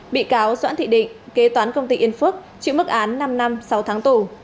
bị cáo doãn thị định kế toán công ty yên phước chịu mức án năm năm sáu tháng tù